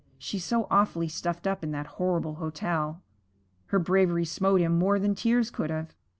She's so awfully stuffed up in that horrible hotel.' Her bravery smote him more than tears could have.